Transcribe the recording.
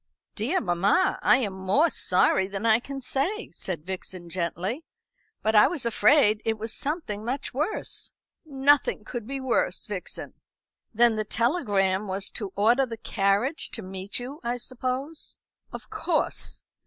"Dear mamma, I am more sorry than I can say," said Vixen gently; "but I was afraid it was something much worse." "Nothing could be worse, Vixen." "Then the telegram was to order the carriage to meet you, I suppose?" "Of course.